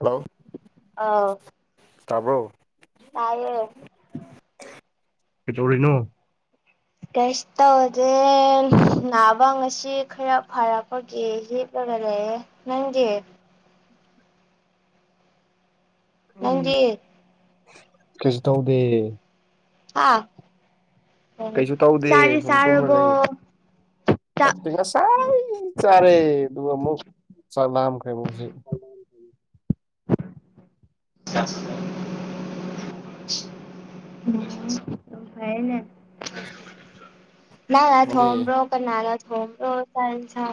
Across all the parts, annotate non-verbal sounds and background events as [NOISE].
Hello ꯑ ꯇꯕ꯭ꯔꯣ ꯇꯥꯎꯦ ꯀ ꯇꯧꯔꯤꯅꯣ ꯀꯩꯁ ꯇꯧꯗꯦ ꯅꯥꯕ ꯉꯁꯤ ꯈꯔ ꯐꯔꯛꯄꯒꯤ ꯌꯦꯞꯂꯒ ꯂꯩꯌꯦꯦ ꯅꯪꯒꯦ ꯅꯪꯗꯤ ꯀꯁꯨ ꯇꯧꯗ ꯑ ꯀꯩꯁꯨ ꯇꯧꯗꯦ ꯆꯔ ꯁꯨꯝ ꯇꯨꯝꯔ ꯁꯥꯔꯔꯕꯣ ꯆꯥꯏ ꯆꯥꯔꯦ ꯑꯗꯨꯒ ꯑꯃꯨꯛ ꯆꯥꯛꯂꯥꯑꯝ ꯀꯩꯅꯩꯅꯣꯖꯤꯛ [INAUDIBLE] ꯐꯥꯏꯅ ꯅꯅꯥ ꯅꯪꯗꯤ ꯊꯣꯡꯝꯕ꯭ꯔꯣ ꯀꯅꯥ ꯊꯣꯡꯝꯕ꯭ꯔꯣ ꯆ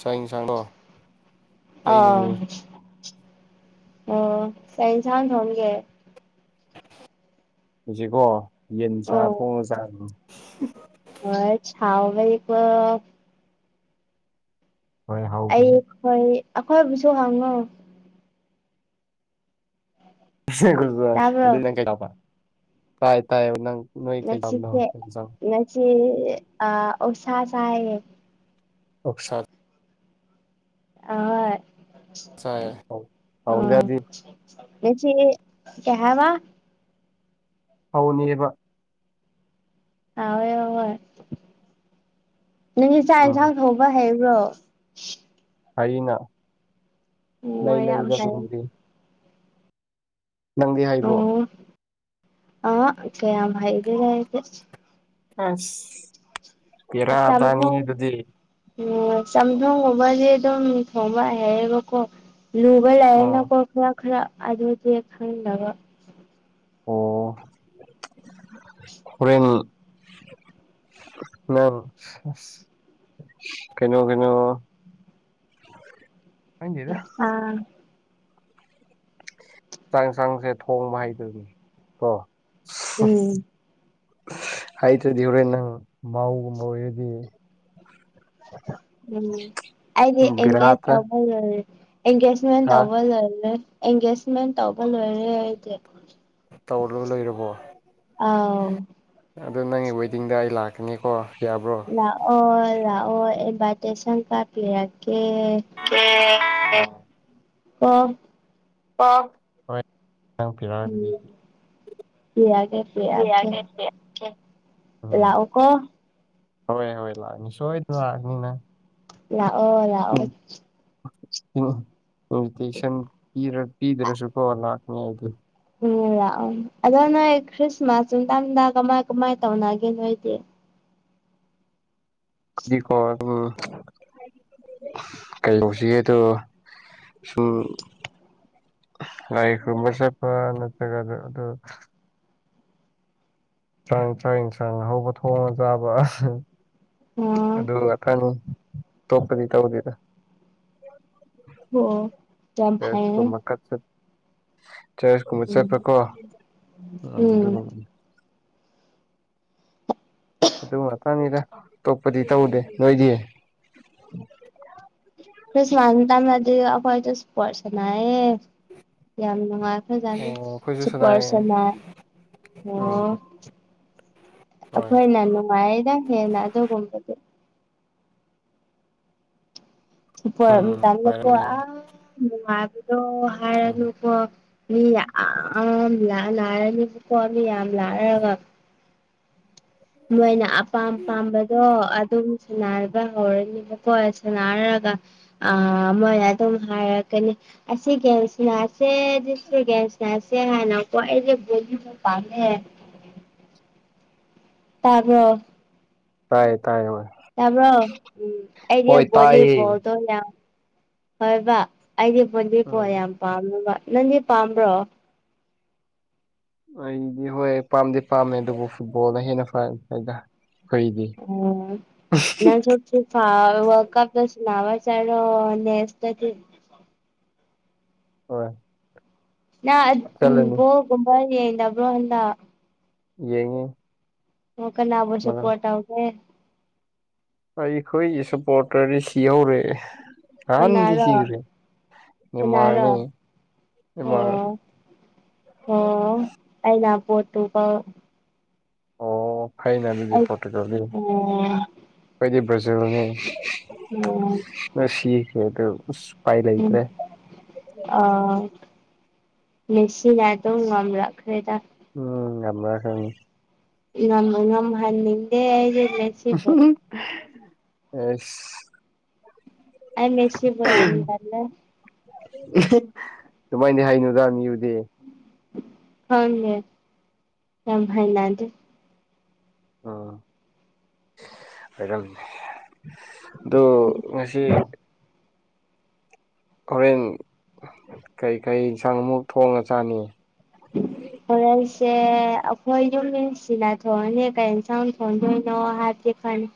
ꯆꯥꯡꯁꯥꯡꯗꯣ ꯑ ꯑꯣ ꯇꯦꯟꯁꯥꯡ ꯊꯝꯒꯦ ꯍꯧꯁꯤꯀꯣ ꯌꯦꯟ ꯆꯥ ꯊꯣꯡꯉ ꯆꯥꯕ ꯑ ꯊꯥꯎ ꯃ ꯍꯣꯏ ꯑꯩ ꯍꯥꯎꯕꯅꯤ ꯍꯣꯏ ꯑꯩꯈꯣꯏꯕꯨꯁꯨ ꯍꯪꯉꯣ ꯇꯥꯕ꯭ꯔꯣ ꯑꯗꯨ ꯅ ꯀꯩꯇꯥꯕ ꯇꯥꯏ ꯇꯥꯏ ꯅꯪ ꯅꯣꯏ ꯀꯩꯇꯕꯅꯣ ꯑꯣꯁꯥꯁꯥꯏ ꯑꯣꯞꯁꯔ ꯑꯥ ꯆꯥꯏ ꯑ ꯍꯥꯎꯅꯗꯤ ꯁ ꯀꯌꯥ ꯋꯥ ꯐꯅꯦꯕ ꯑꯣꯏ ꯑꯣꯏ ꯅꯪ ꯏꯥꯛ ꯎꯝ ꯏꯟꯁꯥꯡ ꯊꯧꯕ ꯍꯩꯕ꯭ꯔꯣ ꯑꯩꯅ ꯑꯣ ꯂꯩ ꯂꯩ ꯌꯥꯝ ꯐꯩ ꯖꯥꯗꯨꯝꯒꯦ ꯍꯩꯕ꯭ꯔꯣ ꯑꯨꯝ ꯑꯥ ꯀꯌꯥꯝꯍꯩꯇꯦꯗꯥ ꯑꯩꯗꯤ ꯑꯥꯁ ꯀꯩꯁꯥꯝꯊꯣꯡ ꯑꯣ ꯆꯝꯊꯣꯡꯒꯨꯝꯕꯁꯦ ꯑꯗꯨꯝ ꯊꯣꯡꯕ ꯍꯥꯏꯌꯦꯕꯀꯣ꯫ ꯂꯨꯕ ꯂꯩꯔ ꯑꯥ ꯅꯀꯣ ꯈꯔ ꯈꯔ ꯑꯗꯨꯗꯤ ꯈꯪꯗꯥꯕ ꯑꯣ ꯐꯣꯔꯦꯟ ꯀꯩꯅꯣ ꯀꯩꯅꯣ ꯈꯪꯗꯦꯗ ꯑꯥ ꯆꯥꯡ ꯌꯦꯟꯁꯥꯡꯁꯦ ꯊꯣꯡꯕ ꯍꯥꯏꯗꯣꯏꯅꯤ ꯀꯣ ꯎꯝ ꯍꯥꯏꯇ꯭ꯔꯗꯤ ꯍꯣꯔꯦꯟ ꯅꯪ ꯃꯥꯒꯨꯝꯕ ꯑꯣꯏꯔꯗꯤ ꯎꯝ ꯑꯩꯗꯤ ꯑꯦꯡꯒꯦꯖ ꯕꯦꯔꯥꯇ ꯇꯧꯕ ꯂꯣꯏꯔꯦ ꯑꯦꯡꯒꯦꯖꯃꯦꯟ ꯍꯥ ꯇꯧꯕ ꯂꯣꯏꯔꯦ ꯑꯦꯡꯒꯦꯖꯃꯦꯟ ꯇꯧꯕ ꯂꯣꯏꯔꯦ ꯑꯩꯗꯤ꯫ ꯇꯧꯔꯥ ꯂꯩꯔꯕꯣ꯫ ꯑꯥꯎ꯫ ꯑꯗꯣ ꯅꯪꯒꯤ ꯋꯦꯗꯤꯡꯗ ꯑꯩ ꯂꯥꯛꯀꯅꯤꯀꯣ ꯌꯥꯕ꯭ꯔꯣ꯫ ꯂꯥꯛꯑꯣ ꯂꯥꯛꯑꯣ ꯏꯕꯥꯏꯇꯦꯁꯪ ꯀꯥꯛ ꯄꯤꯔꯛꯀꯦ ꯀꯦ ꯑꯣ ꯑꯣ ꯍꯣꯏ ꯎꯝ [INAUDIBLE] ꯄꯤꯔꯛꯀꯦ [INAUDIBLE] ꯂꯥꯛꯑꯣ ꯀꯣ꯫ ꯍꯣꯏ ꯍꯣꯏ ꯂꯥꯛꯅꯤ ꯁꯣꯏꯗꯅ ꯂꯥꯛꯑꯅꯤꯅꯪ ꯂꯥꯛꯑꯣ ꯂꯥꯛꯑꯣ ꯏꯟꯚꯇꯦꯁꯟ ꯄꯤꯗ꯭ꯔꯁꯨꯀꯣ ꯂꯥꯛꯅꯤ ꯍꯥꯏꯗꯤ ꯎꯝ ꯂꯥꯛꯑꯣ ꯑꯗꯣ ꯅꯣꯏ ꯈ꯭ꯔꯤꯁꯃꯥꯁ ꯇꯝꯗ ꯀꯃꯥꯏ ꯀꯃꯥꯏ ꯇꯧꯅꯒꯦ ꯅꯣꯏꯗꯤ ꯗꯤꯀꯣ ꯎꯝ ꯀꯩ ꯇꯧꯁꯤꯒꯦꯗꯣ ꯁꯨꯝ ꯏ ꯀꯨꯝꯕ ꯆꯠꯄ ꯅꯠꯇ꯭ꯔꯒ ꯑꯗꯨ ꯑꯗꯨ꯫ ꯆꯁꯥꯡ ꯆꯥꯡ ꯌꯦꯟꯁꯥꯡ ꯍꯧꯕ ꯊꯣꯡꯉ ꯆꯥꯕ ꯑꯣ ꯑꯗꯨꯒ ꯑꯊꯅꯤ ꯇꯣꯞꯄꯗꯤ ꯇꯧꯗꯦꯗ ꯑꯣ ꯌꯥꯝ ꯐꯦꯁꯀꯣ ꯐꯩꯌꯦ ꯃꯀꯁ ꯆꯁ ꯀꯨꯝꯕ ꯎꯝ ꯆꯦꯄꯀꯣ ꯎꯝ ꯑꯗꯨ ꯃꯇꯥꯡꯅꯤꯗ ꯇꯣꯛꯄꯗꯤ ꯇꯧꯗꯦ ꯅꯣꯏꯗꯤ ꯀ꯭ꯔꯤꯁꯃꯁ ꯇꯥꯗꯗꯤ ꯑꯩꯈꯣꯏ ꯆꯁ ꯄꯔꯁꯅ ꯍꯌꯦ ꯌꯥꯝ ꯅꯨꯡꯉꯥꯏꯈ꯭ꯔꯦꯖꯅ ꯑꯩꯈꯣꯏꯁꯨ ꯁꯅꯥꯏꯌꯦ ꯆꯄꯔꯁꯟꯅ ꯑꯣ ꯎꯝ ꯍꯣꯏ ꯑꯩꯈꯣꯏꯅ ꯅꯨꯡꯉꯥꯏꯅ ꯍꯦꯟꯅ ꯑꯗꯨꯒꯨꯝꯕꯗꯤ ꯎꯝ ꯇꯜ ꯂ ꯂꯧꯀ ꯅꯨꯡꯉꯥꯏꯔꯝꯅꯤ ꯃꯉꯥꯕꯤꯗꯣ ꯍꯔ ꯎꯝ ꯂꯨꯀ ꯃꯤ ꯌꯥꯝ ꯂꯥꯏꯔꯅꯤꯕꯀꯣ ꯃꯤ ꯌꯥꯝ ꯂꯥꯏꯔꯒ ꯃꯣꯏꯅ ꯑꯄꯥꯝ ꯄꯥꯝꯕꯗꯣ ꯑꯗꯨꯝ ꯅꯔꯒꯥ ꯍꯔꯦꯟꯀꯣꯁ ꯅꯔꯂꯒ ꯑ ꯃꯣꯏ ꯑꯗꯨꯝ ꯍꯥꯏꯔꯛꯀꯅꯤ ꯑ ꯁꯤꯒꯁꯤꯅꯁꯦꯒꯁꯤꯦ ꯍꯥꯏꯅꯀꯣꯣ ꯄꯅꯦꯃꯦ ꯇꯥꯕꯣ ꯇꯥꯏꯌꯦ ꯇꯥꯏꯌꯦ ꯍꯣꯏ ꯇꯥꯕ꯭ꯔꯣ ꯎꯝ ꯑꯩꯗꯤ ꯍꯣꯏ ꯇꯥꯏꯌꯦ ꯚꯣꯂꯤꯕꯣꯜꯗꯣ ꯌꯥꯝ ꯍꯕ꯫ ꯑꯩꯗꯤ ꯄꯨꯣꯟꯟꯗꯤ ꯄꯣ ꯎꯝ ꯌꯥꯝ ꯄꯥꯝꯃꯦꯕ ꯅꯪꯗꯤ ꯄꯥꯝꯕ꯭ꯔꯣ ꯑꯩꯗꯤ ꯍꯣꯏ ꯄꯥꯝꯗꯤ ꯄꯥꯝꯃꯦ ꯑꯗꯨꯕꯨ ꯐꯨꯠꯕꯣꯜꯅ ꯍꯦꯟꯅ ꯐ ꯍꯥꯏꯗ ꯀꯩꯗꯤ ꯐꯔ ꯀꯞꯁꯨ ꯅꯥꯋꯥ ꯆꯅ ꯅꯦꯁꯇ ꯍꯣꯏ ꯅ ꯎ ꯆꯠꯂꯅꯤ ꯕꯣꯒꯨꯝꯕ ꯌꯦꯡꯗꯕ꯭ꯔꯣꯗ ꯌꯦꯡꯉ ꯑꯣ ꯀꯅꯅꯥꯕꯣꯁꯦ ꯄꯣꯇ ꯑꯣꯏꯒꯦ ꯑꯩꯈꯣꯏꯒꯤ ꯁꯄꯣꯔꯇꯔꯗꯤ ꯁꯤꯍꯧꯔꯦ ꯑꯍꯥꯟꯗꯤ ꯁꯤꯈ꯭ꯔꯦ ꯅꯔꯣ ꯅꯦꯃꯥꯔꯅꯦ ꯅꯦꯃꯥꯔ ꯑꯣ ꯍ ꯀꯥꯏꯅ ꯄꯣꯠꯇꯨ ꯑꯣ ꯐꯩꯩꯅ ꯑꯗꯨꯗꯤ ꯑꯩ ꯄꯣꯔꯇꯨꯒꯥꯜꯒꯤ ꯑꯣ ꯑꯩꯩꯗꯤ ꯕ꯭ꯔꯥꯖꯤꯜꯅꯤ ꯎ ꯁ ꯍꯈ ꯍ ꯎꯝ ꯑ ꯃꯦꯁꯤꯅ ꯑꯗꯨꯝ ꯉꯝꯂꯥꯛꯈ꯭ꯔꯦꯗ ꯎꯝ ꯑꯝꯕ ꯊꯅꯤ ꯅ ꯅꯝ ꯍꯦ ꯑꯦꯁ ꯑ ꯃꯦꯁꯤꯁꯤꯕꯨꯌꯥ ꯑꯃꯗꯂꯦ ꯁꯨꯃꯥꯏꯗꯤ ꯍꯩꯅꯨꯗ ꯃꯤꯎꯗꯤ ꯍꯅꯦ ꯌꯥꯝꯃꯥꯏꯅꯗꯦ ꯎꯝꯔ ꯑꯗꯨꯣ ꯉꯁꯤ ꯍꯣꯔꯦꯟ ꯀꯩ ꯀꯩ ꯏꯟꯁꯥꯡ ꯑꯃꯨꯛ ꯊꯣꯡꯉ ꯆꯥꯅꯤ ꯎ ꯍꯣꯔꯦꯟꯁꯦ ꯑꯩꯈꯣꯏ ꯌꯨꯝꯁꯤꯅ ꯊꯣꯡꯉꯅꯤ ꯀꯔꯤꯦꯟ ꯁꯥꯎ ꯊꯣꯡꯗꯣꯏꯅꯣ ꯍꯥꯏꯕꯗꯤ ꯈꯅꯤ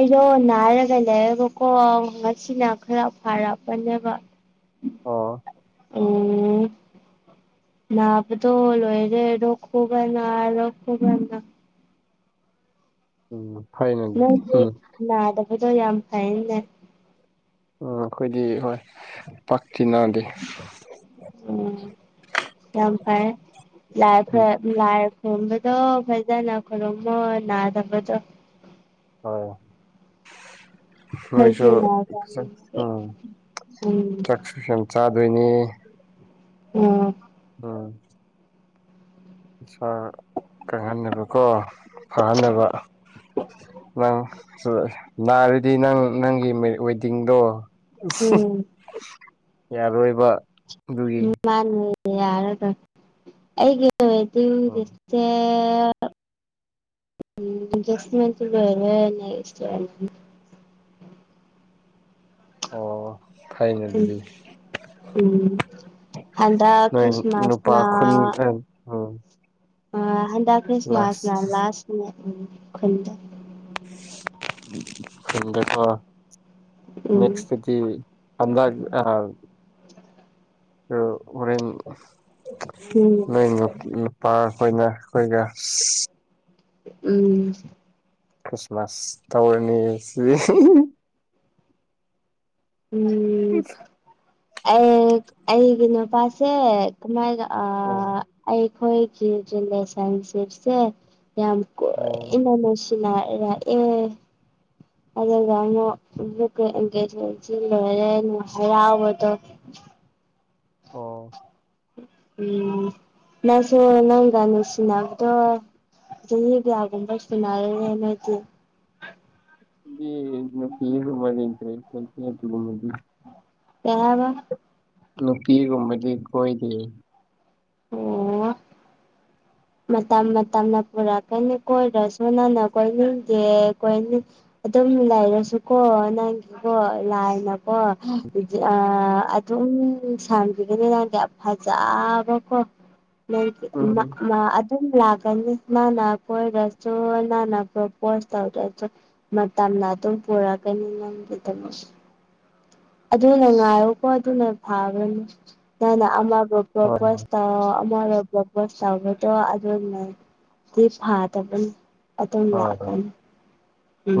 ꯑꯩꯗꯣ ꯅꯥꯔꯒ ꯂꯩꯌꯦꯦꯕꯀꯣ ꯉꯁꯤꯅ ꯈꯔ ꯐꯔꯛꯄꯅꯦꯕ [INAUDIBLE] ꯅꯕꯗꯣꯂꯣꯔꯦ ꯔꯈꯣ ꯀꯅꯛꯣ ꯀꯅ ꯎꯝ ꯐꯥꯏꯅꯜ ꯅꯪꯗꯤ ꯅꯥꯗꯕꯗꯣ ꯌꯥꯝ ꯐꯩꯅꯦ ꯎꯝ ꯑꯩꯈꯣꯏꯗꯤ ꯍꯣꯏ ꯄꯥꯛꯇꯤꯅꯥꯗ ꯌꯥꯝꯝ ꯐꯥꯏꯦ ꯂꯥꯏ ꯎꯝ ꯂꯥꯏ ꯈꯨꯔꯨꯝꯕꯗꯣ ꯐꯖꯅ ꯈꯨꯔꯨꯝꯃꯣ ꯅꯥꯗꯕꯗꯣ ꯍꯣꯏ ꯑꯩꯈꯣꯏꯁꯨ ꯃꯣꯏꯁꯨꯪ ꯅꯥꯗꯕꯅꯤꯅ ꯎꯝ ꯎꯝ ꯆꯥꯛꯁꯨ ꯌꯥꯝ ꯆꯥꯗꯣꯏꯅꯤ ꯎꯝ ꯎꯝ ꯏꯁꯥ ꯀꯪꯍꯟꯅꯕꯀꯣ ꯐꯍꯟꯅꯕ ꯅꯪ ꯅꯥꯔꯗꯤ ꯅꯪ ꯅꯪꯒꯤ ꯋꯦꯗꯤꯡꯗꯣ ꯎꯝ ꯌꯥꯔꯣꯏꯕ ꯑꯗꯨꯒꯤ ꯃꯥ ꯅꯦ ꯌꯥꯔ ꯑꯩꯒꯤꯦ ꯎꯝ ꯎꯝꯁ ꯃꯔꯁ ꯐꯥꯏꯅ ꯑꯗꯨꯗꯤ ꯎꯝ ꯍꯗ ꯈ꯭ꯔꯤꯁꯃꯁꯅ ꯑ ꯑ ꯍꯟꯗ ꯈ꯭ꯔꯤꯁꯃꯥꯁꯅ ꯂꯥꯁ ꯎ ꯈꯨꯟꯗ ꯎꯝ ꯅꯦꯛꯁꯗꯤ ꯑꯗ ꯑ ꯍꯣꯔꯦꯟ ꯎꯝ ꯎ ꯄꯥꯔꯈꯣꯏꯅ ꯑꯩꯈꯣꯏꯒ ꯎꯝ ꯈ꯭ꯔꯤꯁꯃꯥꯁ ꯇꯧꯔꯅꯤ ꯁꯤ ꯎꯝ ꯑꯩ ꯑꯩꯒꯤ ꯅꯨꯄꯥꯁꯦ ꯀꯃꯥꯏꯒ ꯑ ꯑꯣ ꯑꯩꯈꯣꯏꯒꯤ ꯔꯤꯂꯦꯁꯟꯁꯤꯞꯁꯦ ꯌꯥꯝ ꯑꯣ ꯀꯨꯏꯅ ꯅꯨꯡꯁꯤꯅꯔꯛꯑꯦ ꯑꯟꯏꯟꯇꯦꯜꯂꯤꯖꯦꯕꯜ ꯑꯣ ꯎꯝ ꯅꯁꯨ ꯅꯪ ꯅꯨꯡꯁꯤꯅꯕꯗꯣ ꯆꯍꯤ ꯀꯌꯥꯒꯨꯝꯕ ꯁꯅꯔꯦꯅꯗꯤ ꯐꯤꯃ ꯏꯇ꯭ꯔꯦ ꯁ ꯐꯗꯤ ꯀꯕ ꯅꯨꯄꯤꯒꯨꯝꯕꯗꯤ ꯀꯣꯏꯗ ꯑꯣ ꯃꯇꯝ ꯃꯇꯝꯅ ꯄꯨꯔꯛꯀꯅꯤ ꯀꯣꯏꯔꯁꯨ ꯅꯅ ꯀꯣꯏꯦ ꯑꯗꯨꯝ ꯂꯩꯔꯁꯨꯀꯣ ꯅꯪꯒꯤꯕꯣ ꯂꯥꯏꯅꯀꯣ ꯕꯤꯗꯤ ꯑ ꯑꯗꯨꯝ ꯁꯥꯡꯈꯤꯒꯅꯤ ꯅꯪꯗꯤ ꯌꯥꯝ ꯐꯖꯕꯀꯣ ꯅꯪꯒꯤ ꯑꯃ ꯎꯝ ꯃ ꯑꯗꯨꯝ ꯂꯥꯛꯀꯅꯤ ꯃꯥꯅ ꯀꯣꯏꯔꯁꯨ ꯅꯪꯅ ꯄ꯭ꯔꯣꯄꯣꯁ ꯇꯧꯗ꯭ꯔꯁꯨ ꯃꯇꯝꯅ ꯑꯗꯨꯝ ꯄꯨꯔꯛꯀꯅꯤ ꯅꯪꯒꯤꯗ ꯑꯗꯨꯅ ꯉꯥꯏꯔꯣꯀꯣ ꯑꯗꯨꯅ ꯐꯥꯕꯅꯤ ꯅꯪꯅ ꯑꯃꯕ ꯍꯣꯏ ꯑꯟꯏꯟꯇꯦꯜꯂꯤꯖꯦꯕꯜ ꯄꯣꯁ ꯇꯧꯕꯗꯣ ꯑꯗꯨꯅꯗꯤ ꯐꯗꯕ ꯑꯗꯨꯝ ꯍꯣꯏ ꯂꯥꯛꯀꯅꯤ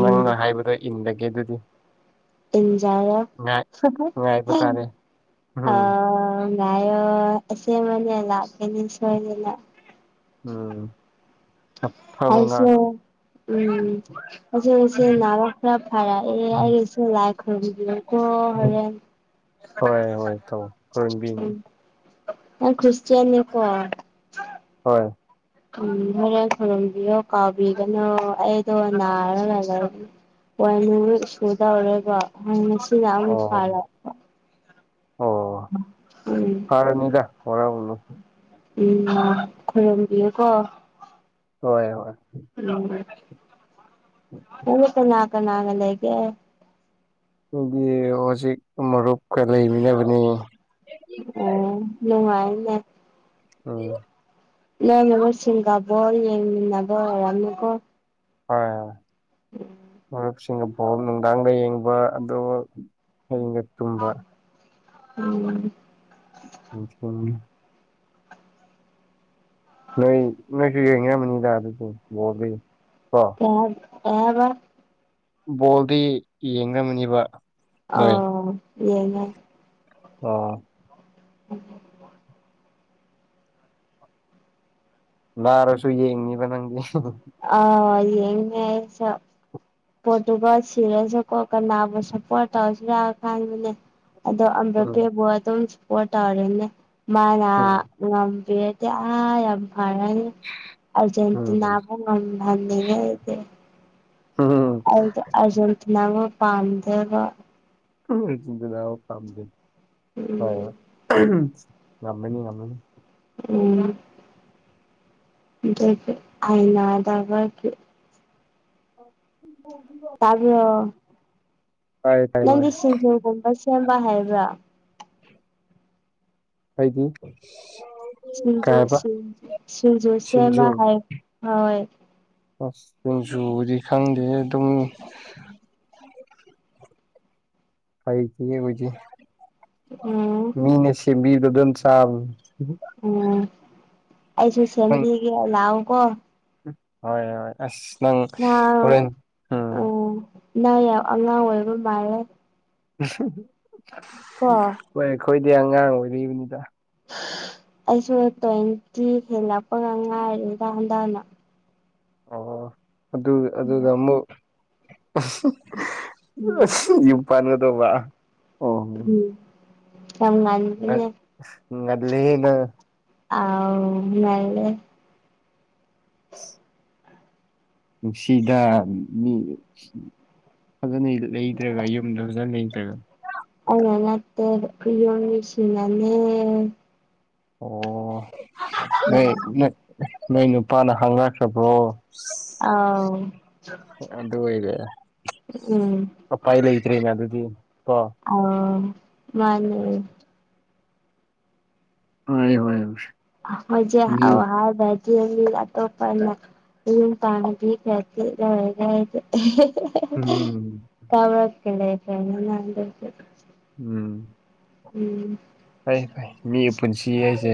ꯅꯪꯅ ꯍꯥꯏꯕꯗꯣ ꯏꯟꯂꯒꯦ ꯑꯗꯨꯗꯤ ꯏꯟꯖꯔꯣ ꯉꯥꯏ ꯍꯍ ꯉꯥꯏꯕ ꯇꯥꯔꯦ ꯑ ꯎꯝ ꯉꯥꯏꯌꯣ ꯑꯁꯦꯡꯕꯅꯦ ꯂꯥꯛꯀꯅꯤ ꯁꯣꯏꯗꯅ ꯑ ꯑꯩꯁꯨ ꯎꯝ ꯑꯟꯏꯟꯇꯦꯜꯂꯤꯖꯦꯕꯜ ꯐꯔꯛꯑꯦ ꯑꯦꯁꯨ ꯂꯥꯏꯈꯨꯔꯨꯝ ꯑꯣ ꯍꯣꯔꯦꯟ ꯍꯣꯏ ꯍꯣꯏ ꯇꯧ ꯈꯨꯔꯨꯝꯕꯤꯅꯤ ꯎꯝ ꯅꯪ ꯈ꯭ꯔꯤꯁꯇꯌꯦꯟ ꯅꯤꯀꯣ ꯍꯣꯏ ꯎꯝ ꯍꯣꯔꯦꯟ ꯈꯨꯔꯨꯝꯕꯤꯌꯣ ꯀꯥꯎꯕꯤꯒꯅꯣ ꯑꯩꯗꯣ ꯅꯥꯔꯥꯒ ꯑꯣꯏꯅ ꯁꯨꯗꯧꯔꯒ ꯍꯥꯏꯅ ꯁꯤ ꯌꯥꯝꯅ ꯑꯣ ꯐꯔ ꯑꯣ ꯎꯝ ꯐꯔꯅꯤꯗ ꯋꯥꯔꯧꯔꯨꯅꯨ ꯎꯝ ꯈꯣꯏꯔꯨꯝꯕꯤꯌꯨ ꯀꯣ ꯍꯣꯏ ꯍꯣꯏ ꯎꯝ ꯍ ꯂꯅꯥꯀ ꯅꯅ ꯂꯩꯒꯦ ꯑꯩꯒꯤ ꯍꯧꯖꯤꯛ ꯃꯔꯨꯞꯀ ꯂꯩꯃꯤꯟꯅꯅꯕꯅꯤ ꯑꯝ ꯅꯨꯡꯉꯥꯏꯅꯦ ꯑ ꯅꯣꯏ ꯃꯔꯨꯞꯁꯤꯡꯒꯕꯣꯜ ꯌꯦꯡꯃꯤꯟꯅꯕ ꯑꯣꯏꯔꯝꯅꯤꯀꯣ ꯍꯣꯏ ꯍꯣꯏ ꯁꯤꯡꯒ ꯕꯣꯜ ꯅꯨꯡꯗꯥꯡꯒ ꯌꯦꯡꯕ ꯑꯗꯨꯒ ꯍꯌꯦꯡꯒ ꯎꯝ ꯅꯨꯡꯊꯤꯟ ꯅꯣꯏ ꯅꯣꯏꯁꯨ ꯌꯦꯡꯔꯝꯕꯅꯤꯗ ꯑꯗꯨꯗꯤ ꯕꯣꯔꯗ ꯀꯣ ꯀꯩ ꯍꯥꯏ ꯀꯩ ꯍꯥꯏꯕ ꯕꯣꯜꯗꯤ ꯌꯦꯡꯉꯝꯅꯦꯕ ꯑ ꯌꯦꯡꯉꯦ ꯑꯣ ꯑꯟꯑꯣꯗꯤꯕꯜ ꯅꯥꯔꯁꯨ ꯌꯦꯡꯅꯤꯕ ꯅꯪꯗꯤ ꯑꯧ ꯌꯦꯡꯉꯦ ꯑꯩꯁꯨ ꯄꯣꯔꯇꯨꯒꯜ ꯁꯤꯔꯁꯨꯀꯣ ꯀꯅꯥꯕꯨ ꯁꯞꯄꯣꯔꯠ ꯇꯧꯁꯤꯔꯥ ꯈꯟꯕꯅꯦ ꯎꯝ ꯑꯟꯏꯟꯇꯦꯜꯂꯤꯖꯦꯕꯜ ꯉꯕꯤꯔꯗꯤ ꯑ ꯌꯥꯝ ꯐꯔꯅꯤ ꯑꯔꯖꯦꯟꯇꯤꯅꯥ ꯎꯝ ꯅꯒ ꯍꯥꯏꯗꯤꯦ ꯍ ꯍ ꯑꯔꯖꯦꯟꯇꯅꯥ ꯄꯥꯟꯗ ꯆꯗ ꯊꯝꯗ ꯎꯝ ꯍ ꯉꯝꯃꯅꯤ ꯉꯝꯃꯅꯤ ꯎꯝ ꯑꯟꯏꯟꯇꯦꯜꯂꯤꯖꯦꯕꯜ ꯑꯟꯑꯣꯗꯤꯕꯜ ꯑꯗꯣ ꯇꯥꯏ ꯇꯥꯏ ꯍꯣꯏ ꯅꯪꯗꯤ ꯁꯤꯡꯖꯨꯒꯨꯝꯕ ꯁꯦꯝꯕ ꯍꯥꯏꯕ꯭ꯔꯥ ꯍꯥꯏꯗꯤ ꯁꯤꯡꯖ ꯁꯤꯁꯤꯡꯖꯣꯁꯦꯃ ꯁꯤꯡꯖꯨ ꯍꯥꯏ ꯍꯣꯏ ꯑꯁ ꯁꯤꯡꯖꯨꯗꯤ ꯈꯪꯗꯦ ꯑꯗꯨꯝ ꯐꯩ ꯀ ꯍꯧꯖꯤ ꯎꯝ ꯃꯤꯅꯦꯁ ꯃꯤꯔꯗꯗꯝ ꯆꯝ ꯎꯝ ꯑꯩꯁꯨ ꯎꯝ ꯁꯦꯝꯕꯤꯒꯦ ꯂꯥꯛꯑꯣꯀꯣ ꯍꯣꯏ ꯍꯣꯏ ꯑꯁ ꯅꯪ ꯍꯣꯔꯦꯟ ꯎꯝ ꯅꯥ ꯌꯥꯝ ꯑꯉꯥꯡ ꯑꯣꯏꯕ ꯃꯥꯜꯂꯦ ꯀꯣ ꯍꯣꯏ ꯑꯩꯈꯣꯏꯗꯤ ꯑꯉꯥꯡ ꯑꯣꯏꯔꯤꯕꯅꯤꯗ ꯑꯩꯁꯨ ꯇ꯭ꯋꯦꯟꯇꯤ ꯍꯦꯜꯂꯛꯄꯒ ꯉꯥꯏꯔꯦ ꯏꯗ ꯍꯟꯗꯥꯅꯣ ꯑꯣ ꯑꯗꯨ ꯑꯗꯨꯗꯝꯕ ꯎꯝ ꯌꯨꯄꯥꯅꯗ ꯋꯥ ꯎꯝ ꯆꯝꯉ ꯅ ꯑ ꯉꯦ ꯅꯨꯡꯁꯤꯗ ꯃꯤ ꯐꯖꯅ ꯂꯩꯇ꯭ꯔꯒ ꯌꯨꯝꯗ ꯐꯖꯅ ꯂꯩꯇ꯭ꯔꯒ ꯑ ꯉꯠꯇꯦ ꯏꯣꯁꯤꯅꯦ ꯑꯣ ꯎꯝ ꯅꯣꯏ ꯅꯣꯏ ꯅꯨꯄꯥꯅ ꯍꯥꯡꯅꯈ꯭ꯔꯕ꯭ꯔꯣ ꯑ ꯑꯗꯨꯗ ꯏꯗ ꯎꯝ ꯑ ꯄꯥꯏ ꯂꯩꯇ꯭ꯔꯦꯅꯦ ꯑꯗꯨꯗꯤ ꯀꯣ ꯑ ꯃꯥꯅꯦ ꯍ ꯍꯣꯏ ꯃꯖꯦ ꯃꯤ ꯑꯋꯥ ꯍꯥꯏ ꯌꯦꯣ ꯄ ꯄꯒꯤꯒ ꯎꯝ ꯀꯕ ꯀ ꯂꯩ ꯎꯝ ꯎꯝ ꯍ ꯃꯤ ꯄꯨꯟꯁꯤ ꯍꯥꯏꯁꯦ